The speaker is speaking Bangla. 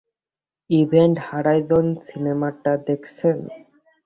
ইভেন্ট হরাইজন সিনেমাটা দেখেছেন?